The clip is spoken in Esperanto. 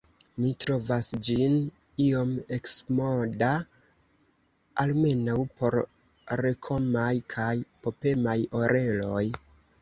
Mi trovas ĝin iom eksmoda, almenaŭ por rokemaj kaj popemaj oreloj.